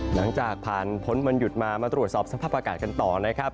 หลังจากผ่านพ้นวันหยุดมามาตรวจสอบสภาพอากาศกันต่อนะครับ